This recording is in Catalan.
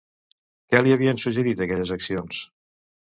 Què l'hi havien suggerit aquelles accions?